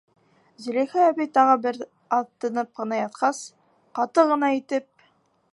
Зөләйха әбей, тағы бер аҙ тынып ятҡас, ҡаты ғына итеп: